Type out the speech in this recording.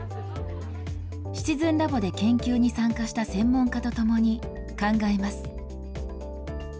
シチズンラボで研究に参加した専門家とともに、考えます。